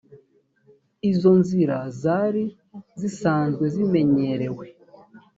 izo nzira zari zisanzwe zimenyerewe